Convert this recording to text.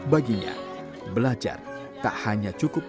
baginya belajar tak hanya cukup